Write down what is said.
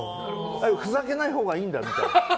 ふざけないほうがいいんだみたいな。